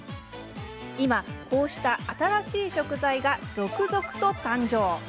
今、こうした新しい食材が続々と誕生。